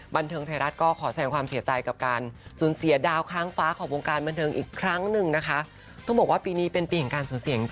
บันเทิงไทยรัฐก็ขอแสนความเสียใจกับการ